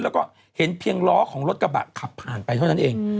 แล้วก็เห็นเพียงล้อของรถกระบะขับผ่านไปเท่านั้นเอง